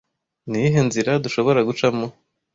niyihe nzira dushobora gucamo